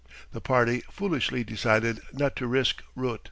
The party foolishly decided not to risk Root.